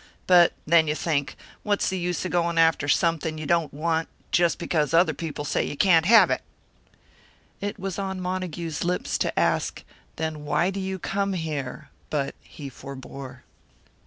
But then you think, What's the use of going after something you don't want, just because other people say you can't have it?" It was on Montague's lips to ask, "Then why do you come here?" But he forbore.